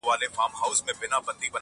هر سړي ته خپله ورځ او قسمت ګوري!!